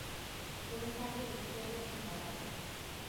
Un ensayo de historia comparada.